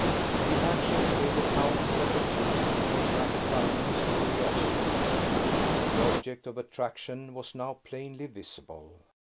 The action gave the count an opportunity of gratifying his curiosity. The object of attraction was now plainly visible.